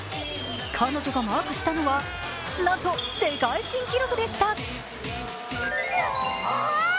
彼女がマークしたのはなんと世界新記録でした。